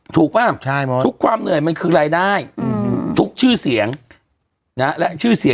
ถูกป่ะทุกความเหนื่อยมันคือรายได้